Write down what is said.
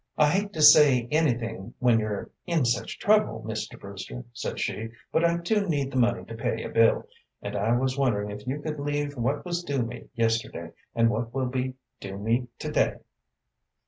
"I hate to say anything when you're in such trouble, Mr. Brewster," said she, "but I do need the money to pay a bill, and I was wondering if you could leave what was due me yesterday, and what will be due me to day."